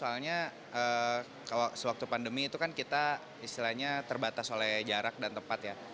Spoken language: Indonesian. soalnya kalau sewaktu pandemi itu kan kita istilahnya terbatas oleh jarak dan tempat ya